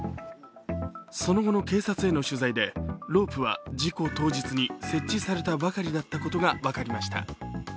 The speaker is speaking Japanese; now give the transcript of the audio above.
その後の警察への取材でロープは事故当日に設置されたばかりだったことが分かりました。